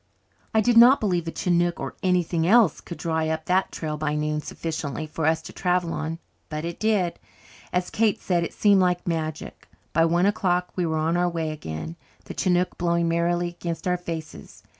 I did not believe a chinook or anything else could dry up that trail by noon sufficiently for us to travel on. But it did. As Kate said, it seemed like magic. By one o'clock we were on our way again, the chinook blowing merrily against our faces.